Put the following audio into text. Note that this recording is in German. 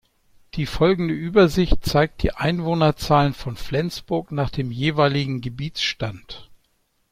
Die folgende Übersicht zeigt die Einwohnerzahlen von Flensburg nach dem "jeweiligen" Gebietsstand.